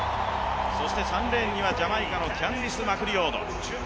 ３レーンにはジャマイカのキャンディス・マクリオド。